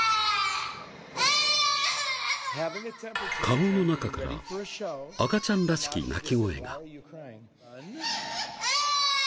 かごの中から赤ちゃんらしき鳴き声が。